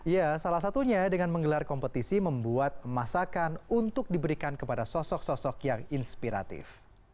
ya salah satunya dengan menggelar kompetisi membuat masakan untuk diberikan kepada sosok sosok yang inspiratif